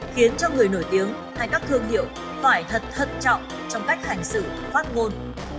khiến cho người nổi tiếng hay các thương hiệu phải thật thận trọng trong cách hành xử phát ngôn